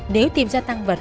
nếu tìm ra tăng vật